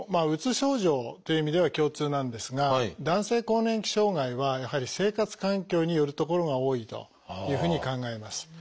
うつ症状という意味では共通なんですが男性更年期障害はやはり生活環境によるところが多いというふうに考えます。